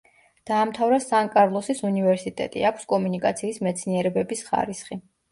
დაამთავრა სან-კარლოსის უნივერსიტეტი, აქვს კომუნიკაციის მეცნიერებების ხარისხი.